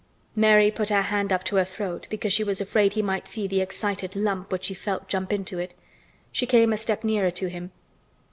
Mary put her hand up to her throat because she was afraid he might see the excited lump which she felt jump into it. She came a step nearer to him.